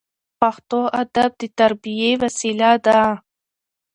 پښتو ادب د تربیې وسیله ده.